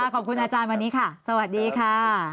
ขอบคุณอาจารย์วันนี้ค่ะสวัสดีค่ะ